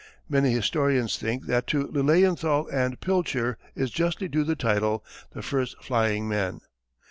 Many historians think that to Lilienthal and Pilcher is justly due the title "the first flying men."